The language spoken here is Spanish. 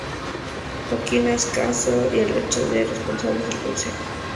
Joaquín Ascaso y el resto de responsables del Consejo fueron detenidos bajo varias acusaciones.